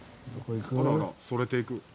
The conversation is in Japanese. あららそれていく。